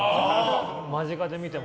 間近で見ても。